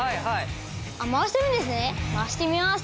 あっ回せるんですね回してみます！